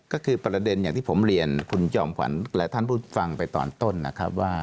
ก็คือประเด็นอย่างที่ผมเรียนคุณจอมขวัญและท่านผู้ฟังไปตอนต้นนะครับว่า